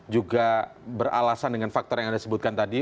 juga beralasan dengan faktor yang anda sebutkan tadi